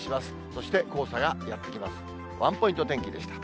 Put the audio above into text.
そして黄砂がやって来ます。